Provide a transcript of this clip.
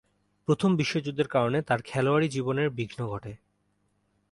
প্রথম বিশ্বযুদ্ধের কারণে তার খেলোয়াড়ী জীবনের বিঘ্ন ঘটে।